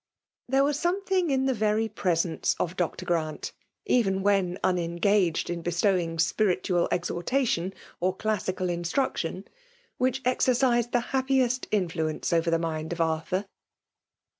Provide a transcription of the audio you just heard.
There was something in the very presence of Dr. Grant, even when* uhengsiged in be .stowing spiritual exhortation or classical in sGruction, which exercised the' happiest in fluence over the mind' of Arthur.